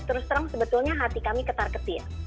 terus terang sebetulnya hati kami ketar ketir